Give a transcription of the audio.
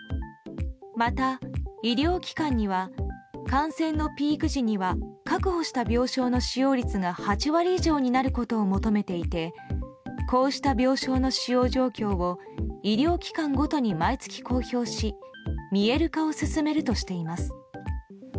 また医療機関には感染のピーク時には確保した病床の使用率が８割以上になることを求めていてこうした病床の使用状況を医療機関ごとに毎月公表し見える化を進めるとしています。